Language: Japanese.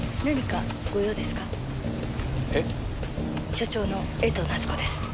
所長の江藤奈津子です。